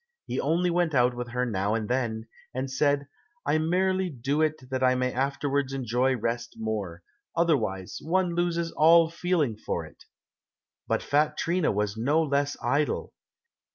He only went out with her now and then, and said, "I merely do it that I may afterwards enjoy rest more, otherwise one loses all feeling for it." But fat Trina was no less idle.